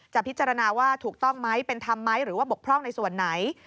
พิจารณาว่าถูกต้องไหมเป็นธรรมไหมหรือว่าบกพร่องในส่วนไหน